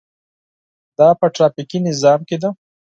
دا په ټرافیکي نظام کې ده.